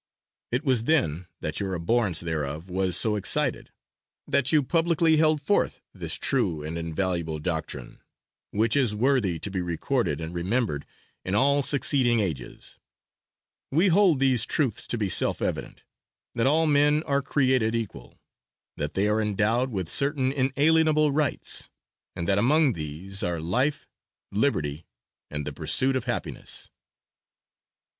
It was then that your abhorrence thereof was so excited, that you publicly held forth this true and invaluable doctrine, which is worthy to be recorded and remembered in all succeeding ages: 'We hold these truths to be self evident, that all men are created equal; that they are endowed with certain inalienable rights, and that among these are life, liberty and the pursuit of happiness.'"